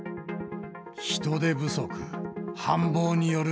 人手不足。